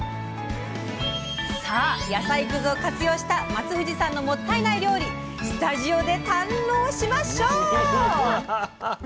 野菜くずを活用した松藤さんのもったいない料理スタジオで堪能します！